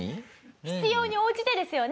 必要に応じてですよね。